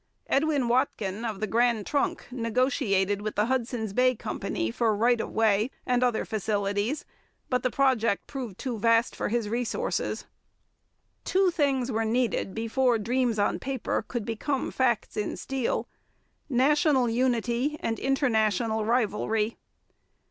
Edwin Watkin, of the Grand Trunk, negotiated with the Hudson's Bay Company for right of way and other facilities, but the project proved too vast for his resources. [Illustration: Sir Sandford Fleming. From a photograph by Topley] Two things were needed before dreams on paper could become facts in steel national unity and international rivalry.